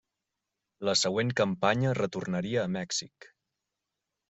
La següent campanya retornaria a Mèxic.